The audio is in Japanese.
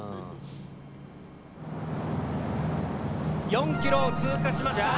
４ｋｍを通過しました。